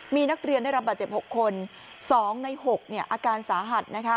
มีนักเรียนได้รับบาดเจ็บ๖คน๒ใน๖อาการสาหัส